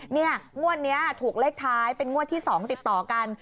งวดนี้ถูกเลขท้ายเป็นงวดที่๒ติดต่อกัน